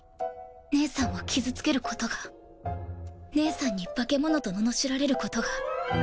義姉さんを傷つけることが義姉さんにバケモノと罵られることが・ふんっ！